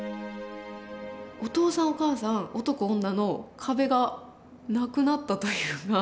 お父さんお母さん男女の壁がなくなったというか。